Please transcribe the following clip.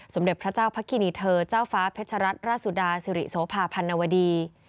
เด็จพระเจ้าพระคินีเธอเจ้าฟ้าเพชรัตนราชสุดาสิริโสภาพันวดี